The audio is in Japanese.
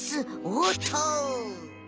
おっと。